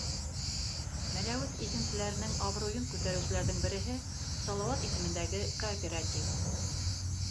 Мәләүез игенселәренең абруйын күтәреүселәрҙең береһе — Салауат исемендәге кооператив.